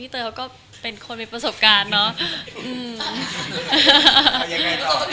เตยเขาก็เป็นคนมีประสบการณ์เนอะ